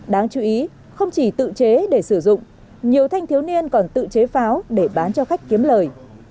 đáng chú ý không chỉ tự chế để sử dụng nhiều thanh thiếu niên còn tự chế pháo để bán cho khách kiếm lời